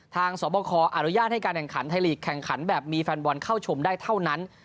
สอบคออนุญาตให้การแข่งขันไทยลีกแข่งขันแบบมีแฟนบอลเข้าชมได้เท่านั้น